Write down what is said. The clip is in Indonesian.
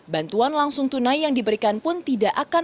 bantuan langsung tunai yang diberikan pun tidak akan